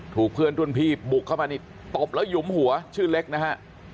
เพื่อนรุ่นพี่บุกเข้ามานี่ตบแล้วหยุมหัวชื่อเล็กนะฮะ